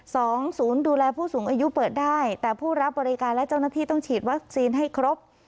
ศูนย์ดูแลผู้สูงอายุเปิดได้แต่ผู้รับบริการและเจ้าหน้าที่ต้องฉีดวัคซีนให้ครบ